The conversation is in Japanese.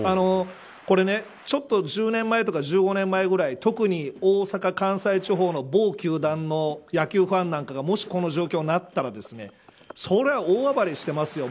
これ、ちょっと１０年前とか１５年前ぐらい特に大阪関西地方の某球団の野球ファンなんかがもし、この状況になったらそれはもう、大暴れしてますよ。